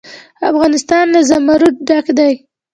افغانستان له زمرد ډک دی.